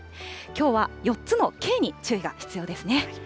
きょうは４つのＫに注意が必要ですね。